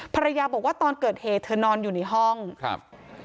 ภรรยาบอกว่าตอนเกิดเหตุเธอนอนอยู่ในห้องครับ